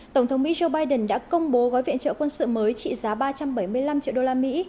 tổng thống mỹ joe biden đã công bố gói viện trợ quân sự mới trị giá ba trăm bảy mươi năm triệu đô la mỹ